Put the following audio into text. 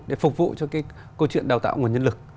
để phục vụ cho cái câu chuyện đào tạo nguồn nhân lực